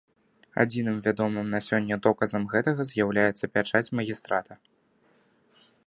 Адзіным вядомым на сёння доказам гэтага з'яўляецца пячаць магістрата.